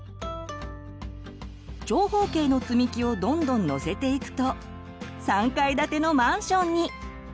長方形のつみきをどんどんのせていくと３階建てのマンションに！